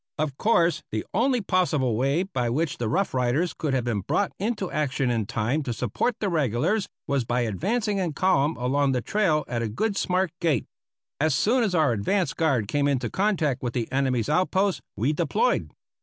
Of course, the only possible way by which the Rough Riders could have been brought into action in time to support the regulars was by advancing in column along the trail at a good smart gait. As soon as our advance guard came into contact with the enemy's outpost we deployed.